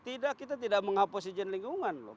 tidak kita tidak menghapus izin lingkungan loh